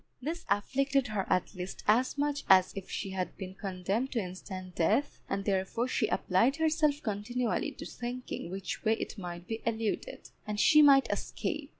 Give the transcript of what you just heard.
This afflicted her at least as much as if she had been condemned to instant death, and therefore she applied herself continually to thinking which way it might be eluded, and she might escape.